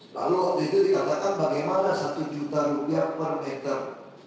lalu waktu itu dikatakan bagaimana satu juta rupiah per meter